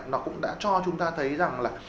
nó cũng đã cho chúng ta thấy rằng